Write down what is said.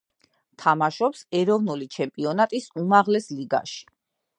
თამაშობს ეროვნული ჩემპიონატის უმაღლეს ლიგაში.